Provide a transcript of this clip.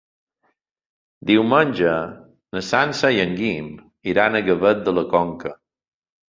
Diumenge na Sança i en Guim iran a Gavet de la Conca.